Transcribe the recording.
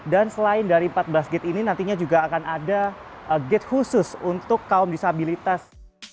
dan selain dari empat belas gate ini nantinya juga akan ada gate khusus untuk kaum disabilitas